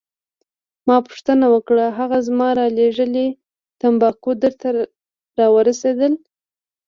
ما پوښتنه وکړه: هغه زما رالیږلي تمباکو درته راورسیدل؟